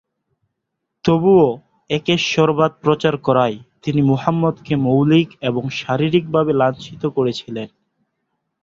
তবুও একেশ্বরবাদ প্রচার করায় তিনি মুহাম্মদকে মৌখিক এবং শারীরিকভাবে লাঞ্ছিত করেছিলেন।